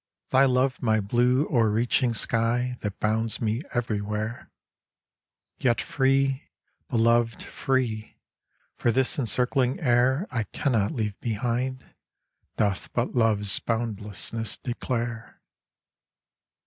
Thy love my blue o'erreaching sky that bounds me everywhere, Yet free, Beloved, free! for this encircling air I cannot leave behind, doth but love's boundlessness declare.